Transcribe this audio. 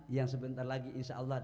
yang sebentar lagi insyaallah